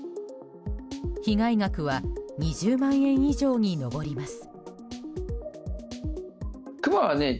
被害額は２０万円以上に上ります。